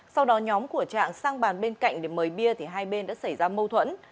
sau đó nhóm của trạng sang bàn bên cạnh để mời bia thì hai bên đã xảy ra mâu thuẫn